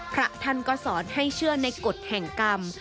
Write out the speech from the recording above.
พระท่านก็สอนให้เชื่อในกฎแห่งกรรม